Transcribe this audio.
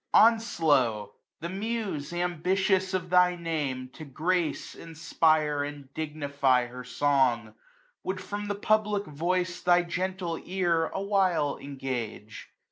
Onslow ! the Muse, am])itious of thy name, To grace, inspire, and dignify her song, 10 Would from the PubUc Voice thy gcmtle ear A while engage.